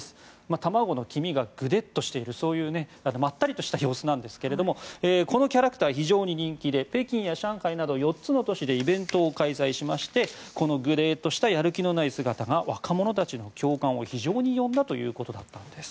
卵の黄身がぐでっとしているそういうまったりとした様子なんですけれどもこのキャラクター非常に人気で北京や上海など４つの都市でイベント開催しましてこのぐでーっとしたやる気のない姿が若者たちの共感を非常に呼んだということだったんです。